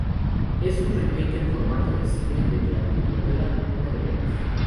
Es un remake en formato de cine de la telenovela Cuna de lobos.